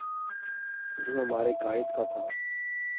جو ہمارے قاہد کا تھا